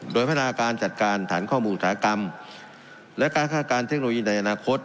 โดยพัฒนาการจัดการฐานข้อมูลอุตสาหกรรมและการคาดการณเทคโนโลยีในอนาคต